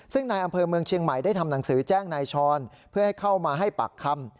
ซึ่งนายอำเภอเมืองเชียงใหม่ได้ทำหนังสือแจ้งนายช้อนเพื่อให้เข้ามาให้ปากคำ